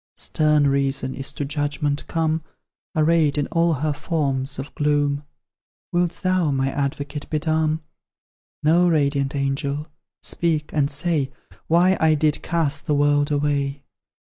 Stern Reason is to judgment come, Arrayed in all her forms of gloom: Wilt thou, my advocate, be dumb? No, radiant angel, speak and say, Why I did cast the world away.